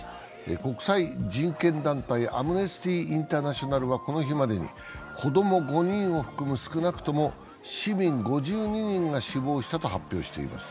国際人権団体、アムネスティ・インターナショナルは、この日までに子ども５人を含む少なく市民５２人が死亡したと発表しています。